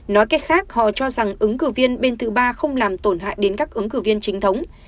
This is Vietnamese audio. nói cách khác họ cho rằng ứng cử viên bên thứ ba không làm tổn hại đến các ứng cử viên chính thống